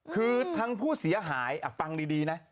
คือทั้งผู้เสียหายฟังดีนะ